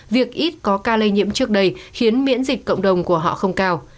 việc ít có ca lây nhiễm trước đây khiến miễn dịch cộng đồng của họ không cao